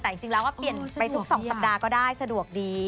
แต่จริงปล่อยทุก๒สัปดาห์ก็ได้สะดวกดี